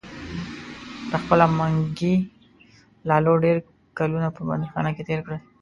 پخپله منګي لالو ډیر کلونه په بندیخانه کې تیر کړل.